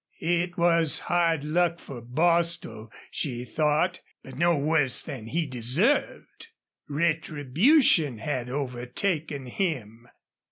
It was hard luck for Bostil, she thought, but no worse than he deserved. Retribution had overtaken him.